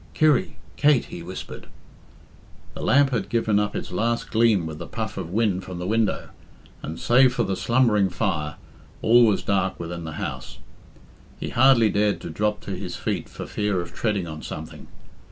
"Kirry! Kate!" he whispered. The lamp had given up its last gleam with the puff of wind from the window, and, save for the slumbering fire, all was dark within the house. He hardly dared to drop to his feet for fear of treading on something.